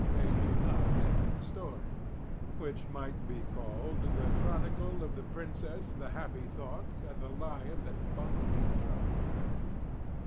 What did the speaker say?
They do not enter the story, which might be called "The Chronicle of the Princess, the Happy Thought, and the Lion that Bungled his Job."